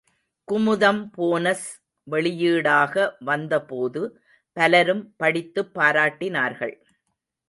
Kumudam bonus வெளியீடாக வந்தபோது பலரும் படித்துப் பாராட்டினார்கள்.